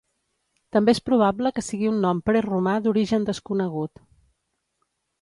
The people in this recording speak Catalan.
També és probable que sigui un nom preromà d'origen desconegut.